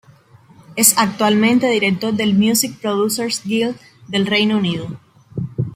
Es actualmente director del "Music Producers Guild" del Reino Unido.